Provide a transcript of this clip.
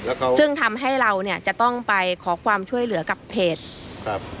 แล้วก็ซึ่งทำให้เราเนี้ยจะต้องไปขอความช่วยเหลือกับเพจครับ